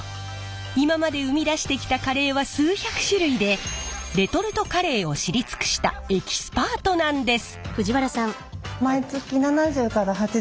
今まで生み出してきたカレーは数百種類でレトルトカレーを知り尽くしたエキスパートなんです！